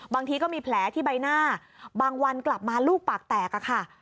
บางทีก็มีแผลที่ใบหน้าบางวันกลับมาลูกปากแตกอะค่ะ